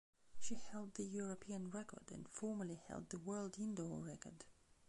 She held the European record, and formerly held the world indoor record.